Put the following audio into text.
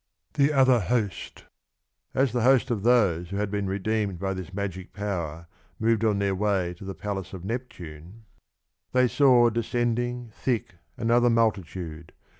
798) As the host of those who had been redeemed by this ''■*^«'o"'<''" »'"'• magic power moved on their way to the palace of Neptune they saw descending thick Another multitude.